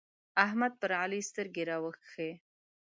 احمد پر علي سترګې راوکښې.